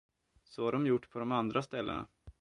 Så har de gjort på de andra ställena.